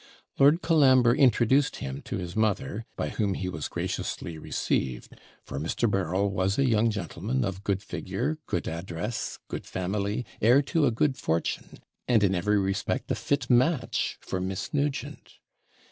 Lord Colambre introduced him to his mother, by whom he was graciously received; for Mr. Berryl was a young gentleman of good figure, good address, good family, heir to a good fortune, and in every respect a fit match for Miss Nugent.